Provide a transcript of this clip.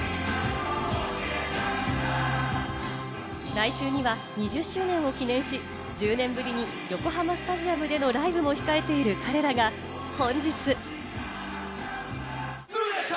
来週には２０周年を記念し、１０年ぶりに横浜スタジアムでのライブも控えている彼らが、本日。